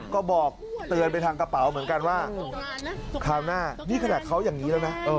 ก็บอกเตือนไปทางกระเป๋าเหมือนกันว่าคราวหน้านี่ขนาดเขาอย่างนี้แล้วนะ